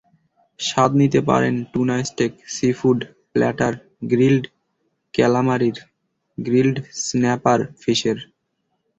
স্বাদ নিতে পারেন tuna steak, seafood platter, grilled কালামারির, গ্রিলড স্ন্যাপার ফিশের।